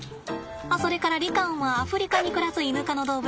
あそれからリカオンはアフリカに暮らすイヌ科の動物ね。